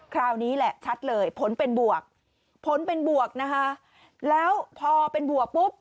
คราวนี้แหละชัดเลยผลเป็นบวกแล้วพอเป็นบวกปุ๊บ